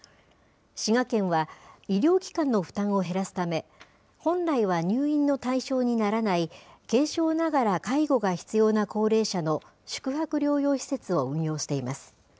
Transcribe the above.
滋賀県は、医療機関の負担を減らすため、本来は入院の対象にならない軽症ながら介護が必要な高齢者の宿泊療養施設を運用しています。